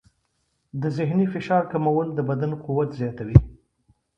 د ذهني فشار کمول د بدن قوت زیاتوي.